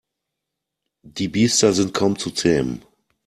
Die Biester sind kaum zu zähmen.